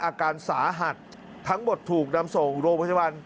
อาการสาหัสทั้งหมดถูกนำส่งโรงพยาบาล